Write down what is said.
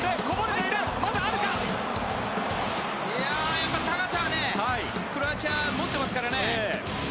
いややっぱ高さはねクロアチア持ってますからね。